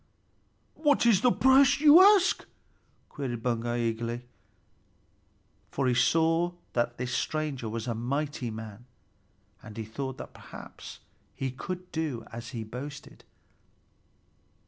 "What is the price which you ask?" queried Baugi eagerly, for he saw that this stranger was a mighty man, and he thought that perhaps he could do as he boasted.